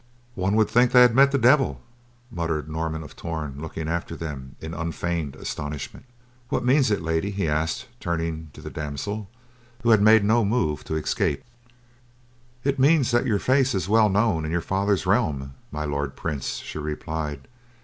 "One would think they had met the devil," muttered Norman of Torn, looking after them in unfeigned astonishment. "What means it, lady?" he asked turning to the damsel, who had made no move to escape. "It means that your face is well known in your father's realm, my Lord Prince," she replied.